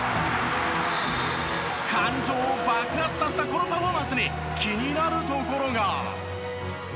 感情を爆発させたこのパフォーマンスに気になるところが。